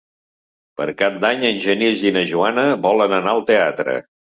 Per Cap d'Any en Genís i na Joana volen anar al teatre.